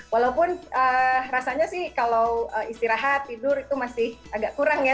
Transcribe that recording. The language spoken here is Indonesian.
walaupun rasanya sih kalau istirahat tidur itu masih agak kurang ya